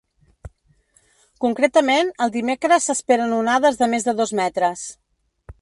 Concretament, el dimecres s’esperen onades de més de dos metres.